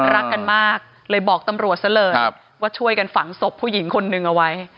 รักกันมากเลยบอกตำรวจซะเลยว่าช่วยกันฝังศพผู้หญิงคนนึงเอาไว้